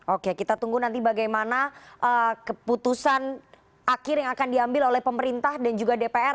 oke kita tunggu nanti bagaimana keputusan akhir yang akan diambil oleh pemerintah dan juga dpr